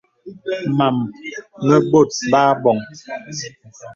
Mām mə bōt bə aboŋ.